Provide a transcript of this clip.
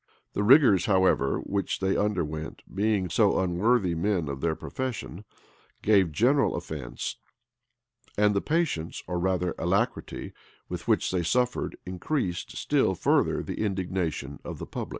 [*] The rigors, however, which they underwent, being so unworthy men of their profession, gave general offence; and the patience, or rather alacrity, with which they suffered, increased still further the indignation of the public.